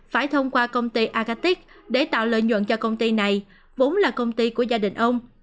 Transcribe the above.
phải thông qua công ty agatic để tạo lợi nhuận cho công ty này vốn là công ty của gia đình ông